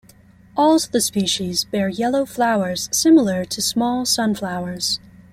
All the species bear yellow flowers similar to small sunflowers.